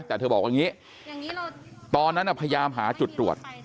แต่เธอบอกว่าอย่างนี้ตอนนั้นพยายามหาจุดตรวจ